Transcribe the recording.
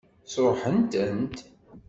Sṛuḥent-tent?